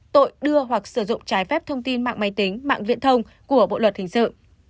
tội đưa hoặc sử dụng trái phép thông tin mạng máy tính mạng viễn thông của bộ luật hình sự